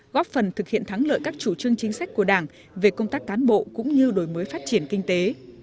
góp phần thực hiện thắng lợi các chủ trương chính sách của đảng về công tác cán bộ cũng như đổi mới phát triển kinh tế